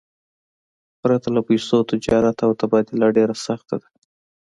پرته له پیسو، تجارت او تبادله ډېره سخته ده.